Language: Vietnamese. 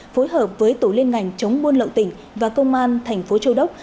phối hợp với tổ liên ngành chống buôn lậu tỉnh và công an thành phố châu đốc